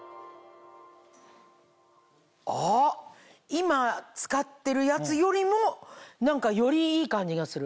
今使ってるやつよりもよりいい感じがする。